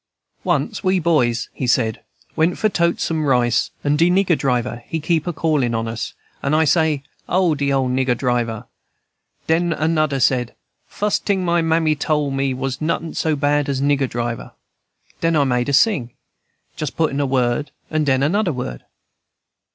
"Once we boys," he said, "went for tote some rice and de nigger driver he keep a callin' on us; and I say, 'O, de ole nigger driver!' Den anudder said, 'Fust ting my mammy tole me was, notin' so bad as nigger driver.' Den I made a sing, just puttin' a word, and den anudder word."